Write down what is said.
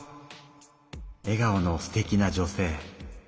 えがおのすてきな女性。